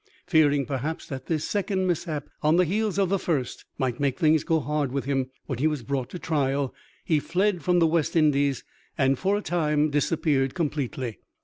Fearing, perhaps, that this second mishap on the heels of the first might make things go hard with him when he was brought to trial, he fled from the West Indies and for a time disappeared completely.